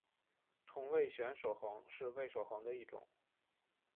同位旋守恒是味守恒的一种。